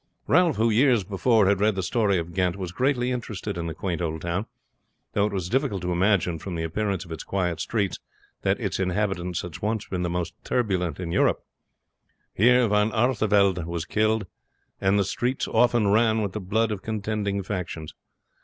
Ralph, who years before had read the history of Ghent, was greatly interested in the quaint old town; though it was difficult to imagine from the appearance of its quiet streets that its inhabitants had once been the most turbulent in Europe. Here Von Artevelde was killed, and the streets often ran with the blood of contending factions.